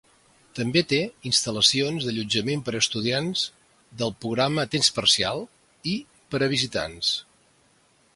També té instal·lacions d'allotjament per a estudiants del programa a temps parcial i per a visitants.